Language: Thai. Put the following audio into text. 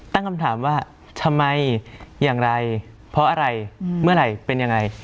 ตั้งคำถามว่าทำไมอย่างไรเพราะอะไรเมื่อไหร่เป็นยังไง